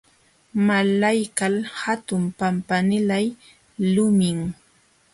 Malaykaq hatun pampanilaq lumim.